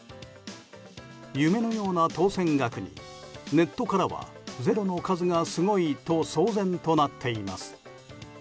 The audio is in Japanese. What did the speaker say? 夢のような当せん額にネットからはゼロの数がすごいと騒然となっています。